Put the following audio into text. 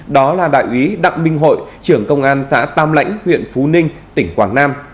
đó là đại úy đặng minh hội trưởng công an xã tam lãnh huyện phú ninh tỉnh quảng nam